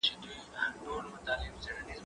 ته ولي لیکل کوې